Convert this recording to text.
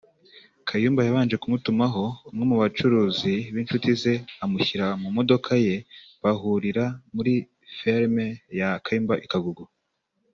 Kayumba yabanje kumutumaho umwe mubacuruzi b’inshuti ze amushyira mumodoka ye bahurira muri Ferme ya Kayumba i Kagugu